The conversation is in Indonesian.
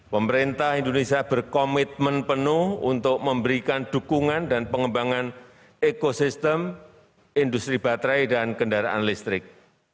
pemerintah indonesia berkomitmen penuh untuk memberikan dukungan dan pengembangan ekosistem industri baterai dan kendaraan listrik